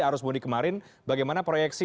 arus mudik kemarin bagaimana proyeksi